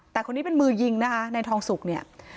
แต่คนนี้เป็นมือยิงนะคะในทองสุกเนี่ย